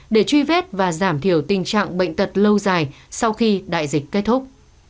để truy vết và giảm thiểu tình trạng bệnh tật lâu dài sau khi đại dịch kết thúc